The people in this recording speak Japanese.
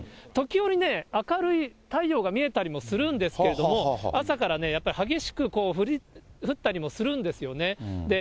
時折、明るい太陽が見えたりもするんですけれども、朝からやっぱり激しく降ったりもするんですよね。